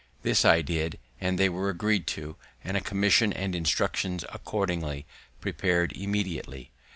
This I did, and they were agreed to, and a commission and instructions accordingly prepar'd immediately.